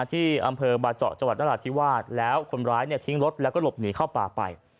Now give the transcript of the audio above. ที่อำเภอบาเจาะจังหวัดนราธิวาสแล้วคนร้ายทิ้งรถแล้วก็หลบหนีเข้าป่าไป